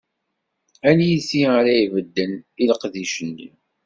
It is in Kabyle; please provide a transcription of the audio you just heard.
Aniti ara ibedden i leqdic-nni?